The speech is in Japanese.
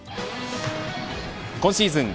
今シーズン